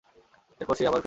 এর পর সে আবার ফেলবে।